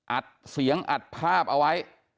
อัดเสียงอัดภาพเอาไว้